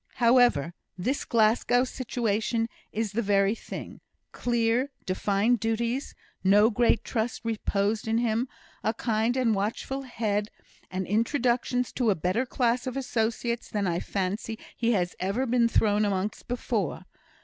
However, this Glasgow situation is the very thing; clear, defined duties, no great trust reposed in him, a kind and watchful head, and introductions to a better class of associates than I fancy he has ever been thrown amongst before.